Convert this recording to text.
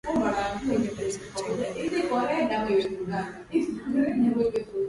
hivyo basi huchangia nadharia ya tibayakibinafsi Kulingana na nadharia hii